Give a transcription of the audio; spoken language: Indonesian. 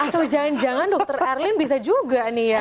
atau jangan jangan dokter erlin bisa juga nih ya